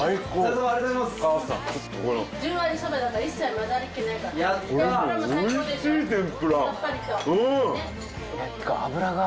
十割そばだから一切混ざりっ気ないから。